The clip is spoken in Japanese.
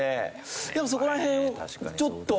でもそこら辺ちょっと。